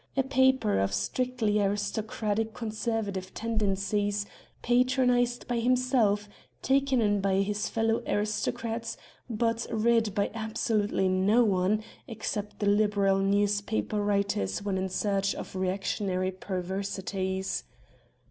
A paper of strictly aristocratic conservative tendencies, patronized by himself, taken in by his fellow aristocrats, but read by absolutely no one excepting the liberal newspaper writers when in search of reactionary perversities.